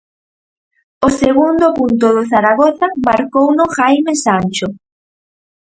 O segundo punto do Zaragoza marcouno Jaime Sancho.